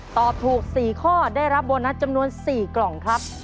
ตอบถูก๔ข้อได้รับโบนัสจำนวน๔กล่องครับ